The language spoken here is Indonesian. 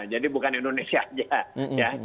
jadi bukan indonesia saja